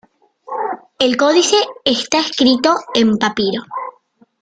El códice está escrito en papiro.